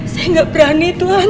saya gak berani tuhan